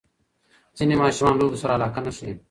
ځینې ماشومان لوبو سره علاقه نه ښیي.